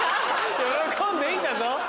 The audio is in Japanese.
喜んでいいんだぞ。